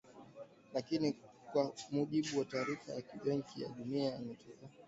Lakini, kwa mujibu wa taarifa ya ya Benki ya Dunia, hayakutosha kuiinua nchi hiyo kufikia kiwango cha kipato cha kati